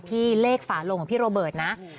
เลขฝาลงของพี่โรเบิร์ตนะ